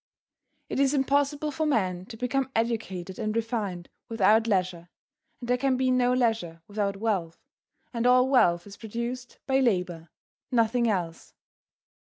It is impossible for men to become educated and refined without leisure and there can be no leisure without wealth and all wealth is produced by labor, nothing else.